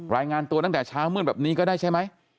รายงานตัวตั้งแต่เช้ามืดแบบนี้ก็ได้ใช่ไหม